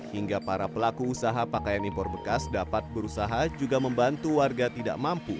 hingga para pelaku usaha pakaian impor bekas dapat berusaha juga membantu warga tidak mampu